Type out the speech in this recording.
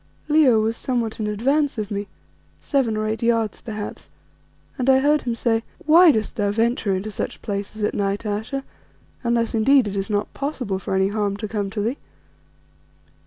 Leo was somewhat in advance of me, seven or eight yards perhaps, and I heard him say "Why dost thou venture into such places at night, Ayesha, unless indeed it is not possible for any harm to come to thee?"